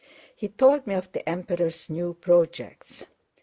He told me of the Emperor's new projects.